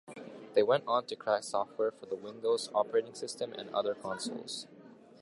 They went on to crack software for the Windows operating system and other consoles.